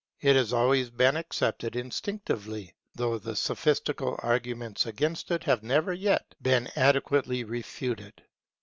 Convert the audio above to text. It has always been accepted instinctively, though the sophistical arguments against it have never yet been adequately refuted.